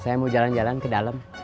saya mau jalan jalan ke dalam